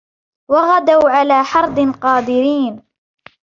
وغدوا على حرد قادرين